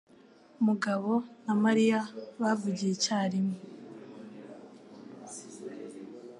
Mugabo na Mariya bavugiye icyarimwe.